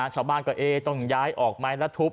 ชาวบ้านก็ต้องย้ายออกไหมแล้วทุบ